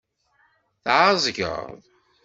Tεezgeḍ?